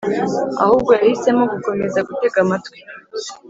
ahubwo yahisemo gukomeza gutega amatwi